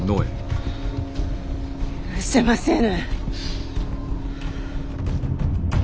許せませぬ。